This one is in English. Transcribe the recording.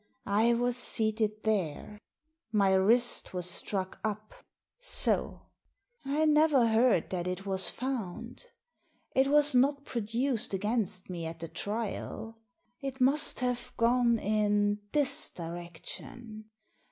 I was seated there. My wrist was struck up — so ! I never heard that it was found. It was not produced against me at the trial It must have gone in this direction.